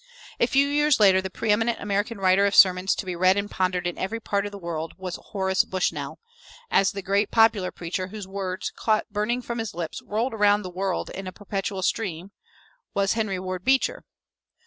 A few years later, the preëminent American writer of sermons to be read and pondered in every part of the world was Horace Bushnell; as the great popular preacher, whose words, caught burning from his lips, rolled around the world in a perpetual stream, was Henry Ward Beecher.